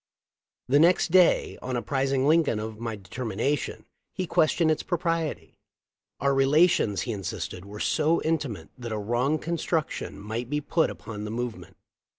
The next day, on apprising Lincoln of my determination, he questioned its propriety. Our relations, he insisted, were so intimate that a wrong construction might be put upon the movement.